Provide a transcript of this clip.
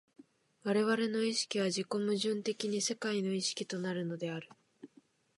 我々の意識は自己矛盾的に世界の意識となるのである。